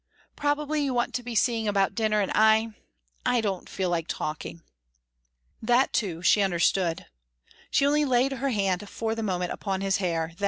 Probably you want to be seeing about dinner, and I I don't feel like talking." That too she understood. She only laid her hand for the moment upon his hair.